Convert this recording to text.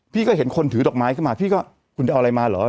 พี่ก็เห็นคนถือดอกไม้ขึ้นมาพี่ก็คุณจะเอาอะไรมาเหรอ